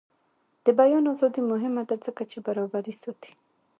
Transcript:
د بیان ازادي مهمه ده ځکه چې برابري ساتي.